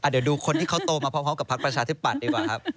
เดี๋ยวดูคนที่เขาโตมาพร้อมกับพักประชาธิปัตย์ดีกว่าครับ